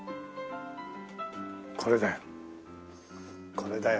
これだよ。